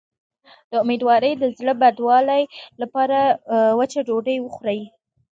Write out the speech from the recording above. د امیدوارۍ د زړه بدوالي لپاره وچه ډوډۍ وخورئ